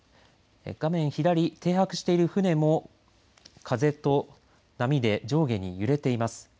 画面左、停泊している船も風と波で上下に揺れています。